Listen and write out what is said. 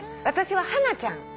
私はハナちゃん。